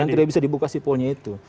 yang tidak bisa dibuka sipolnya itu